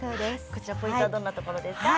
ポイントはどんなところですか。